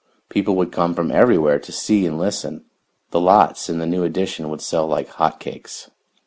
People would come from everywhere to see and listen. The lots in the new addition would sell like hot cakes.